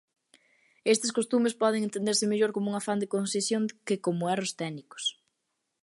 Estes costumes poden entenderse mellor como un afán de concisión que como erros técnicos.